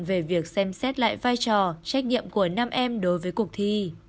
về việc xem xét lại vai trò trách nhiệm của nam em đối với cuộc thi